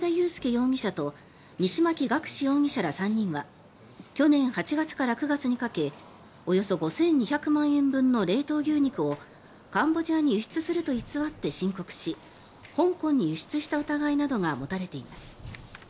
容疑者と西槇学志容疑者ら３人は去年８月から９月にかけおよそ５２００万円分の冷凍牛肉をカンボジアに輸出すると偽って申告し香港に輸出した疑いなどが持たれています。